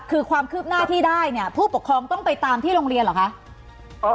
คือความคืบหน้าที่ได้เนี่ยผู้ปกครองต้องไปตามที่โรงเรียนเหรอคะ